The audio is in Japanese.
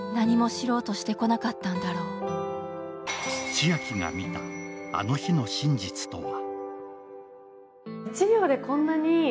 千晶が見た、あの日の真実とは。